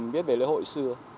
biết về lễ hội xưa